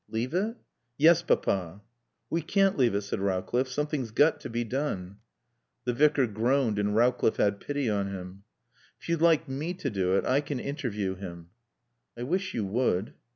"Leave it?" "Yes, Papa." "We can't leave it," said Rowcliffe. "Something's got to be done." The Vicar groaned and Rowcliffe had pity on him. "If you'd like me to do it I can interview him." "I wish you would."